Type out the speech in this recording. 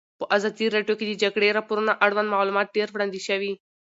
په ازادي راډیو کې د د جګړې راپورونه اړوند معلومات ډېر وړاندې شوي.